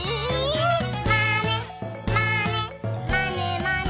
「まねまねまねまね」